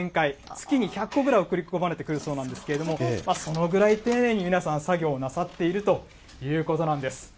月に１００個くらい送り込まれてくるそうなんですけれども、そのぐらい丁寧に、皆さん作業をなさっているということなんです。